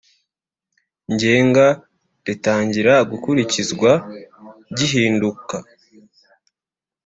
ngenga ritangira gukurikizwa gihinduka